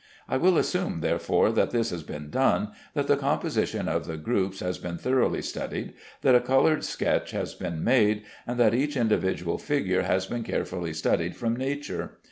I will assume, therefore, that this has been done, that the composition of the groups has been thoroughly studied, that a colored sketch has been made, and that each individual figure has been carefully studied from nature.